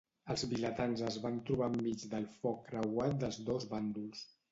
Els vilatans es van trobar enmig del foc creuat dels dos bàndols.